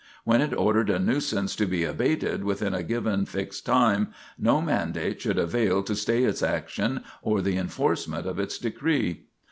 When it ordered a nuisance to be abated within a given fixed time no mandate should avail to stay its action or the enforcement of its decree.